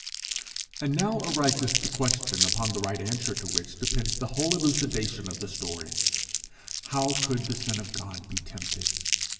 And now arises the question upon the right answer to which depends the whole elucidation of the story: How could the Son of God be tempted?